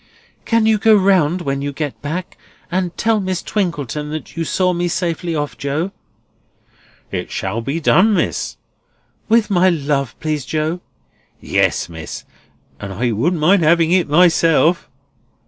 "Can you go round when you get back, and tell Miss Twinkleton that you saw me safely off, Joe?" "It shall be done, Miss." "With my love, please, Joe." "Yes, Miss—and I wouldn't mind having it myself!"